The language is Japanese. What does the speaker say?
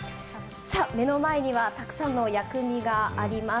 目の前にはたくさんの薬味があります。